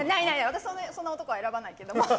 私はそんなの男は選ばないけど。